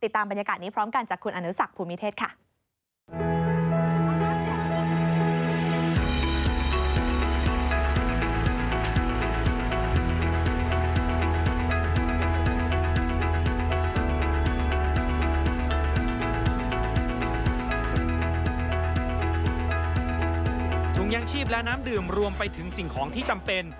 ทุ่งยังชีพและน้ำดื่มรวมไปถึงสิ่งของที่จำเป็น